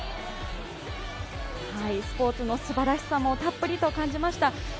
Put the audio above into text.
スポーツのすばらしさもたっぷりと感じました。